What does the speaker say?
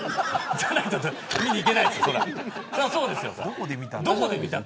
じゃないと見に行けないですから。